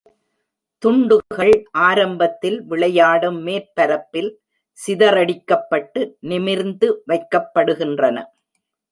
துண்டுகள் ஆரம்பத்தில் விளையாடும் மேற்பரப்பில் சிதறடிக்கப்பட்டு, நிமிர்ந்து வைக்கப்படுகின்றன.